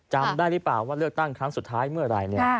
จำได้หรือเปล่าว่าเลือกตั้งครั้งสุดท้ายเมื่อไหร่เนี่ย